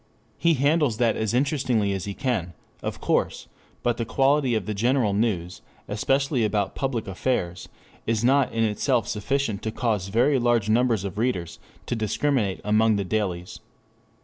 He handles that as interestingly as he can, of course, but the quality of the general news, especially about public affairs, is not in itself sufficient to cause very large numbers of readers to discriminate among the dailies.